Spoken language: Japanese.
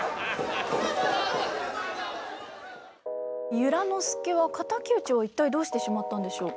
由良之助は敵討は一体どうしてしまったんでしょう？